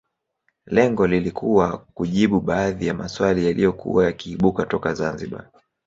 Lengo lilikuwa kujibu baadhi ya maswali yaliyokuwa yakiibuka toka Zanzibar